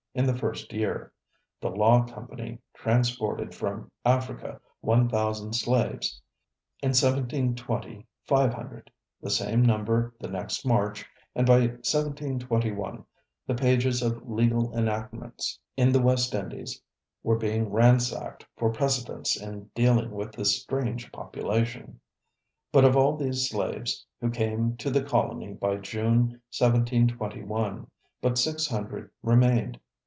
In the first year, the Law Company transported from Africa one thousand slaves, in 1720 five hundred, the same number the next March, and by 1721 the pages of legal enactments in the West Indies were being ransacked for precedents in dealing with this strange population. But of all these slaves who came to the colony by June, 1721, but six hundred remained.